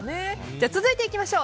続いていきましょう。